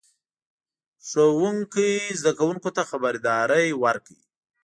ښوونکي زده کوونکو ته خبرداری ورکړ.